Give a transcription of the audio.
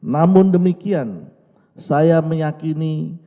namun demikian saya meyakini